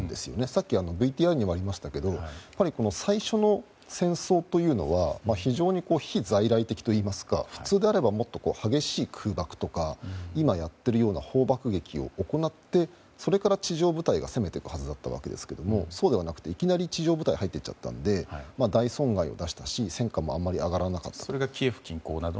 さっきＶＴＲにもありましたけど最初の戦争というのは非在来的といいますか普通であればもっと激しい空爆とか今やっているような砲爆撃を行ってそれから地上部隊が攻めていくはずだったんですがそうではなくていきなり地上部隊が入ったので大損害を出したし戦果もあまり上がらなかった。